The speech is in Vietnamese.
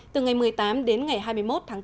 từ ngày một mươi tám đến ngày hai mươi một tháng tám